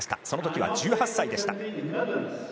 その時は１８歳でした。